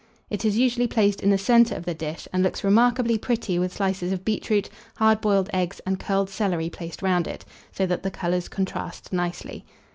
It is usually placed in the centre of the dish, and looks remarkably pretty with slices of beetroot, hard boiled eggs, and curled celery placed round it, so that the colours contrast nicely.